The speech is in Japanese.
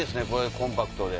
コンパクトで。